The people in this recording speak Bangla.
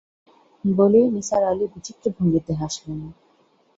বলেই নিসার আলি বিচিত্র ভঙ্গিতে হাসলেন।